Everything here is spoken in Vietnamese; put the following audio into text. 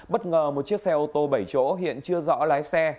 bất ngờ một chiếc xe ô tô bảy chỗ hiện chưa rõ lái xe